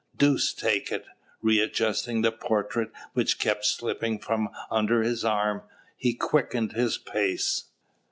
Deuce take it!" Re adjusting the portrait, which kept slipping from under his arm, he quickened his pace.